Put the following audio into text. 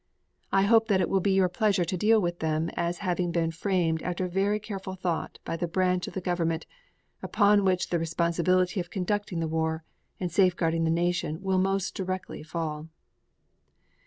I hope that it will be your pleasure to deal with them as having been framed after very careful thought by the branch of the Government upon which the responsibility of conducting the war and safeguarding the nation will most directly fall.